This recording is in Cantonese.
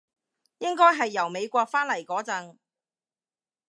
應該係由美國返嚟嗰陣